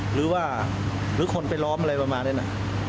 หรือว่าหรือคนไปล้อมอะไรประมาณนั้น